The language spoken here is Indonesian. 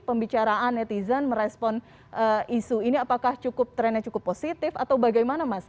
pembicaraan netizen merespon isu ini apakah cukup trendnya cukup positif atau bagaimana mas